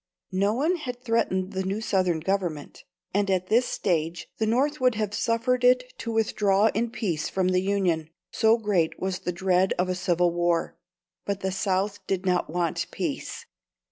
No one had threatened the new Southern Government, and at this stage the North would have suffered it to withdraw in peace from the Union, so great was the dread of a civil war. But the South did not want peace.